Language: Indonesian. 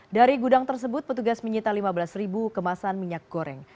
dari gudang tersebut petugas menyita lima belas ribu kemasan minyak goreng